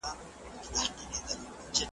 دولسمه ماده د مامورینو په اړه وه.